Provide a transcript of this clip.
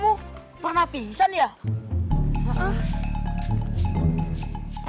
sultan emang kamu pernah pisah ya